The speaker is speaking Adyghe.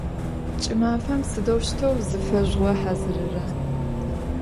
Ç'ımafem sıdeuşteu zıfezjüğehazırıra?